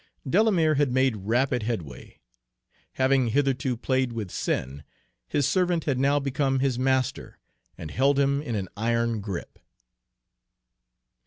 Delamere had made rapid headway; having hitherto played with sin, his servant had now become his master, and held him in an iron grip.